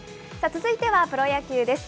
続いてはプロ野球です。